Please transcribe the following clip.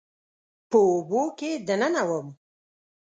په اوبو کې دننه وم